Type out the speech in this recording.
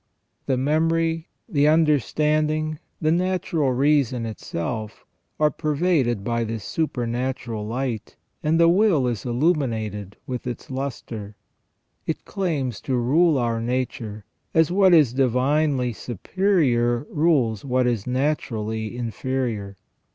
The memory, the understanding, the natural reason itself, are pervaded by this supernatural light, and the will is illuminated with its lustre. It claims to rule our nature, as what is divinely superior rules what is naturally inferior.